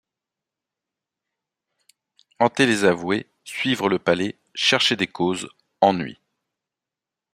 Hanter les avoués, suivre le palais, chercher des causes, ennui.